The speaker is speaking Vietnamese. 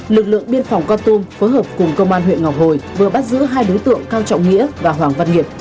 lực lượng biên phòng con tum phối hợp cùng công an huyện ngọc hồi vừa bắt giữ hai đối tượng cao trọng nghĩa và hoàng văn nghiệp